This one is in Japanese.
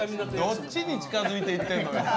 どっちに近づいていってるのよ。